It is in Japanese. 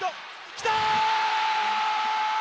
きた！